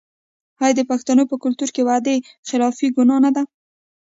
آیا د پښتنو په کلتور کې وعده خلافي ګناه نه ده؟